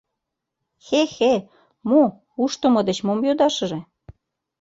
— Хе-хе, мо, ушдымо деч мом йодашыже?